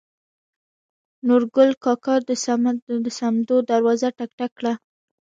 نورګل کاکا د سمدو دروازه ټک ټک کړه.